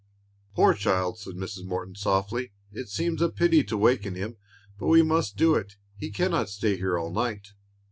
"Poor child!" said Mrs. Morton, softly, "it seems a pity to waken him, but we must do it; he can not stay here all night."